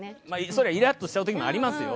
それはイラッとしちゃう時もありますよ。